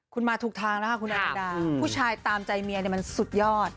คุณมาถูกทางแล้วค่ะคุณอรดาผู้ชายตามใจเมียมันสุดยอด